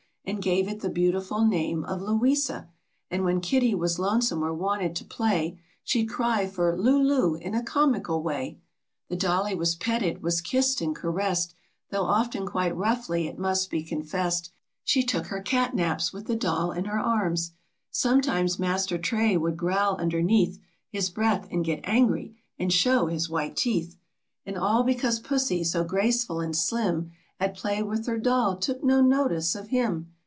And gave it the beautiful name of Louisa, And when Kitty was lonesome or wanted to play, She'd cry for Loo ! Loo ! in a comical way. The dollie was petted, was kissed and caressed, Though often quite roughly it must be confessed, And so pleased was Miss Puss with Louisa's fair charms, She took her cat naps with the doll in her arms. Sometimes Master Tray would growl underneath H is breath, and get angry, and show his white teeth, 259 ."v DAME TROT AND HER COMICAL CAT. And all because Pussy, so graceful and slim, At play with her doll, took no notice of him.